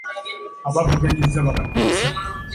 Abavuganyizza babadde basatu .